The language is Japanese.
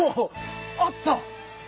あった。